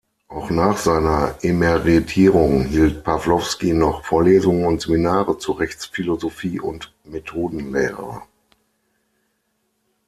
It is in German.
Auch nach seiner Emeritierung hielt Pawlowski noch Vorlesungen und Seminare zur Rechtsphilosophie und Methodenlehre.